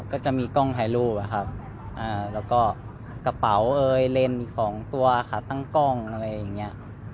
ก็จะมีกล้องถ่ายรูปอะครับแล้วก็กระเป๋าเอ่ยเลนส์อีก๒ตัวค่ะตั้งกล้องอะไรอย่างนี้